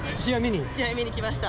試合見に来ました。